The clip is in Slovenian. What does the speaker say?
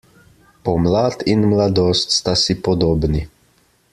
Pomlad in mladost sta si podobni.